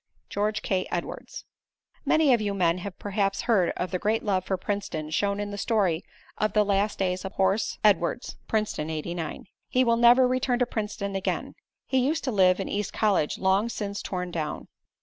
George K. Edwards Many of you men have perhaps heard of the great love for Princeton shown in the story of the last days of Horse Edwards, Princeton '89. He will never return to Princeton again. He used to live in East College, long since torn down.